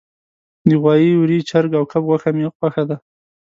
د غوایی، وری، چرګ او کب غوښه می خوښه ده